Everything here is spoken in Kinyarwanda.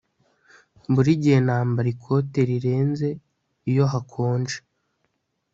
Buri gihe nambara ikote rirenze iyo hakonje